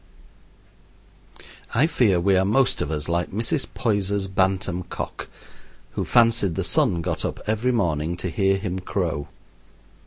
I fear we are most of us like Mrs. Poyser's bantam cock, who fancied the sun got up every morning to hear him crow.